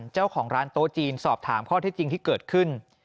เจ้าของร้านโต๊ะจีนสอบถามข้อเท็จจริงที่เกิดขึ้น